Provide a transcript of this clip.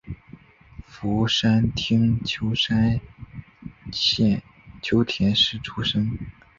福山町秋田县秋田市出生。